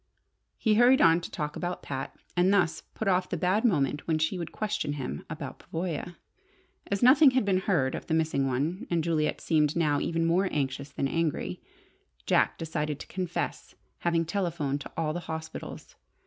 He hurried on to talk about Pat, and thus put off the bad moment when she would question him about Pavoya. As nothing had been heard of the missing one and Juliet seemed now even more anxious than angry, Jack decided to confess having telephoned to all the hospitals.